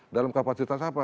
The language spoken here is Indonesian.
dalam kapasitas apa